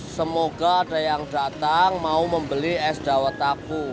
semoga ada yang datang mau membeli es dawat aku